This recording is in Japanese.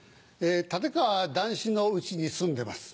立川談志の家に住んでます。